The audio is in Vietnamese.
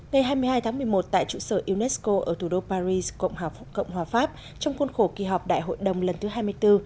ngày hai mươi hai tháng một mươi một tại trụ sở unesco ở thủ đô paris cộng hòa cộng hòa pháp trong khuôn khổ kỳ họp đại hội đồng lần thứ hai mươi bốn